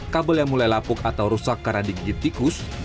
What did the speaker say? kabel yang mulai lapuk atau rusak karena digigit tikus